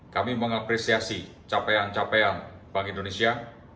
kami mengapresiasi capaian capaian bank indonesia